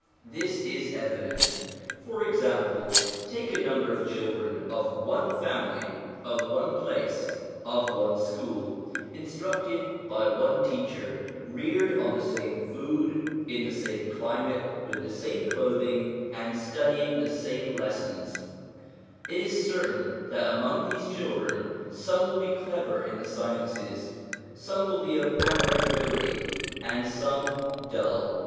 This is evident For example, take a number of children of one family, of one place, of one school, instructed by one teacher, reared on the same food, in the same climate, with the same clothing, and studying the same lessons it is certain that among these children some will be clever in the sciences, some will be of average ability, and some dull.